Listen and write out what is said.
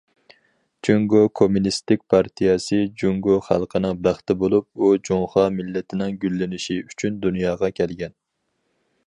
جۇڭگو كوممۇنىستىك پارتىيەسى جۇڭگو خەلقىنىڭ بەختى بولۇپ، ئۇ جۇڭخۇا مىللىتىنىڭ گۈللىنىشى ئۈچۈن دۇنياغا كەلگەن.